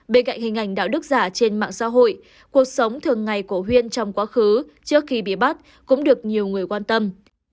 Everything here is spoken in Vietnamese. bên cạnh hình ảnh đạo đức giả trên mạng xã hội cuộc sống thường ngày của huyên trong quá khứ trước khi bị bắt cũng được nhiều người quan tâm